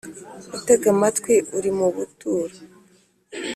utega amatwi uri mu buturo